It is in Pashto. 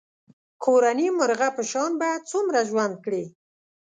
کورني مرغه په شان به څومره ژوند کړې.